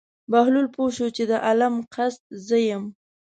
بهلول پوه شو چې د عالم قصد زه یم.